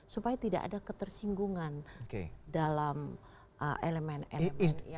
supaya tidak ada ketersinggungan dalam elemen elemen yang mau